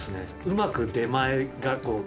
うまく出前がこう。